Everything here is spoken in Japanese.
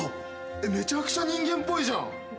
めちゃくちゃ人間っぽいじゃん！